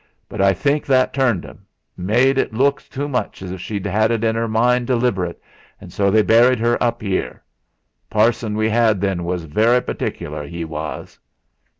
But I think that turned '.m made et luke to much 's ef she'd 'ad it in 'er mind deliberate; an' so they burried 'er up 'ere. Parson we 'ad then was very particular, 'e was."